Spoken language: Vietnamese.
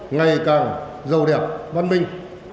ngày càng giàu đẹp văn minh